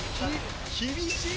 厳しい！